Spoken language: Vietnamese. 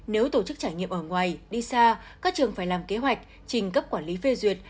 nếu tổ chức trải nghiệm ở ngoài đi xa các trường phải làm kế hoạch trình cấp quản lý phê duyệt